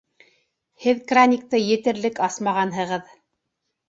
Һеҙ краникты етерлек асмағанһығыҙ